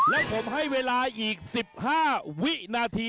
และผมให้เวลาอีก๑๕วินาที